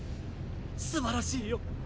すばらしいよ。